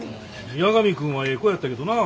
八神君はええ子やったけどなぁ。